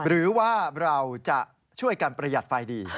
หรือว่าเราจะช่วยกันประหยัดไฟดี